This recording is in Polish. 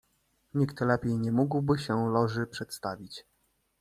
"Nikt lepiej nie mógłby się Loży przedstawić."